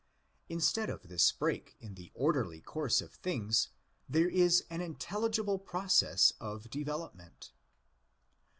Instead of this break in the orderly course of things, there is an intelligible process of development.